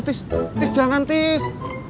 tis tis jangan tis